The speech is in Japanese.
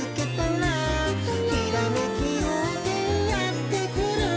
「ひらめきようせいやってくる」